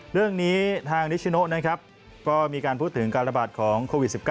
เรื่องนี้ทางนิชโนนะครับก็มีการพูดถึงการระบาดของโควิด๑๙